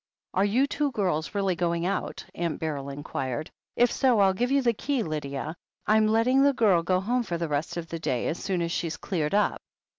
"Are you two girls really going out?" Aunt Beryl inquired. "If so, I'll give you the key, Lydia. I'm letting the girl go home for the rest of the day, as soon as she's cleared up.